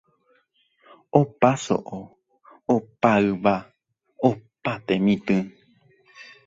Opa so'o, opa yva, opa temitỹ.